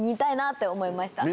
って思いました。